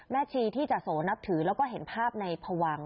แม่ชีที่จโตรรนับถือแล้วก็เห็นภาพในภวัง